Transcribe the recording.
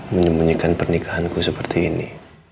menyembunyikan pernikahanku seperti ini